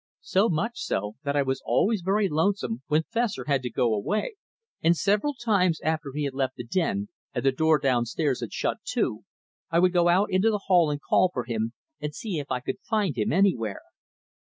So much so, that I was always very lonesome when Fessor had to go away; and several times after he had left the den, and the door downstairs had shut to, I would go out into the hall and call for him, and see if I could find him anywhere.